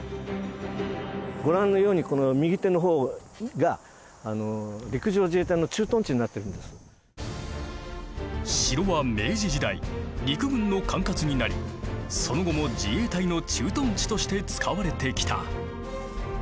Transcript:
ご覧のようにこの右手の方が城は明治時代陸軍の管轄になりその後も自衛隊の駐屯地として使われてきた。